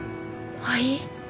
はい？